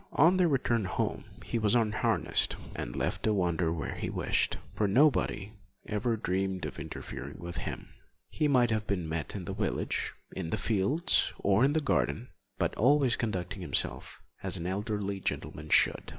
On their return home he was unharnessed, and left to wander where he wished, for nobody ever dreamed of interfering with him. He might have been met in the village, in the fields, or in the garden, but always conducting himself as an elderly gentleman should.